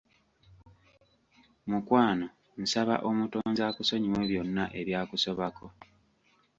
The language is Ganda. Mukwano nsaba Omutonzi akusonyiwe byonna ebyakusobako!